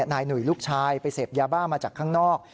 นายหนุ่ยลูกชายไปเสพยาบ้ามาจากข้างนอก